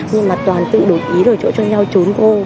nhưng mà toàn tự đổi ý rồi chỗ cho nhau trốn cô